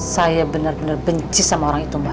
saya benar benar benci sama orang itu mbak